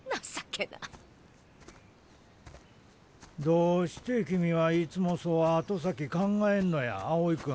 どうして君はいつもそう後先考えんのや青井君。